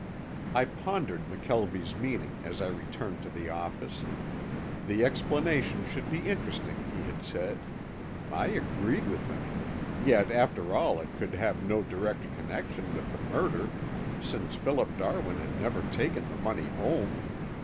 I pondered McKelvie's meaning as I returned to the office. The explanation should be interesting he had said. I agreed with him, yet after all it could have no direct connection with the murder, since Philip Darwin had never taken the money home.